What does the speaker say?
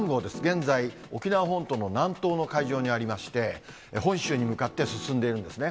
現在、沖縄本島の南東の海上にありまして、本州に向かって進んでいるんですね。